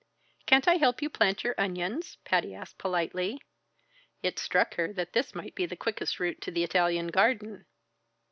"Can't I help you plant your onions?" Patty asked politely. It struck her that this might be the quickest route to the Italian garden.